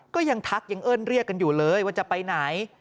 ก็ยังทักยังเอิ้นเรียกกันอยู่เลยว่าจะไปไหน